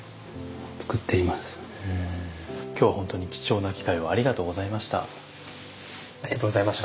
今日は本当に貴重な機会をありがとうございました。